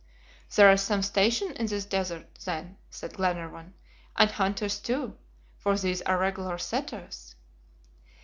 "There is some station in this desert, then," said Glenarvan, "and hunters too, for these are regular setters."